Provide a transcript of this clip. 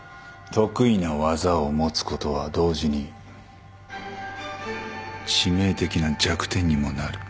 得意な技を持つことは同時に致命的な弱点にもなる。